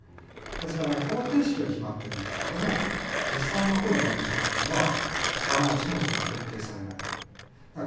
ですから方程式は決まってるんですけども実際に起こる現象というのは必ずしも決定されない。